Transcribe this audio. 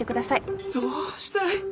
どうしたらいい。